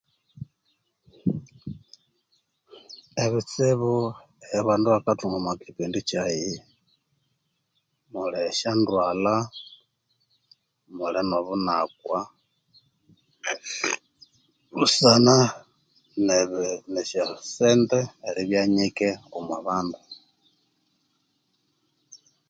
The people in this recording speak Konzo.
Ebitsibu eeabandu bakandunga omokipindi kyaghe muli shandwalha mulinobunakwa busana nebi neshosenti eribyanyike omubandu